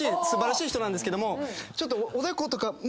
素晴らしい人なんですけどもちょっとおでことか。